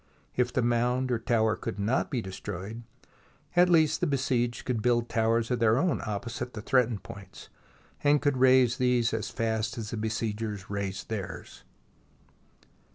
If the mound or tower could not be destroyed, at least the besieged could build towers of their own opposite the threat ened points, and could raise these as fast as the besiegers raised theirs.